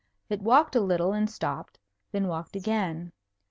It walked a little and stopped; then walked again.